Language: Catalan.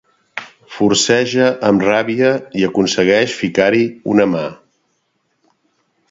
Forceja amb ràbia, i aconsegueix ficar-hi una mà.